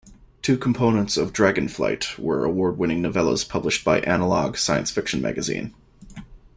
Two components of "Dragonflight" were award-winning novellas published by "Analog" science fiction magazine.